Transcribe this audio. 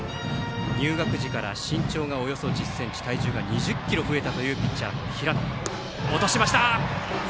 入学時から身長がおよそ１０ｃｍ体重が２０ｋｇ増えたというピッチャーの平野。